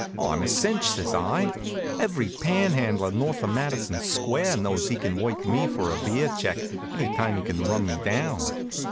"I'm a cinch," says I. "Every panhandler north of Madison Square knows he can work me for a beer check any time he can run me down."